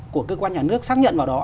của cơ quan nhà nước xác nhận vào đó